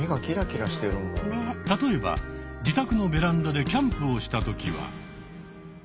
例えば自宅のベランダでキャンプをしたときは。